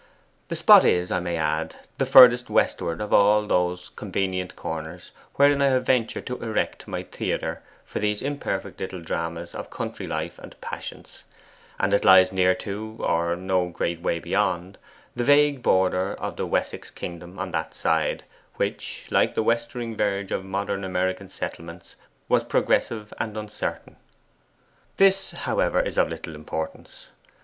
The spot is, I may add, the furthest westward of all those convenient corners wherein I have ventured to erect my theatre for these imperfect little dramas of country life and passions; and it lies near to, or no great way beyond, the vague border of the Wessex kingdom on that side, which, like the westering verge of modern American settlements, was progressive and uncertain. This, however, is of little importance.